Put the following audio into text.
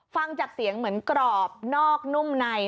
ฟังจากเสียงเหมือนกรอบนอกนุ่มใน